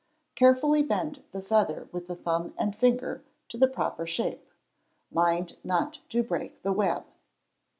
Carefully bend the feather with the thumb and finger to the proper shape; mind not to break the web.